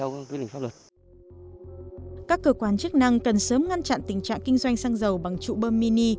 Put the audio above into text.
và đối với các cơ quan chức năng cần sớm ngăn chặn tình trạng kinh doanh xăng dầu bằng trụ bơm mini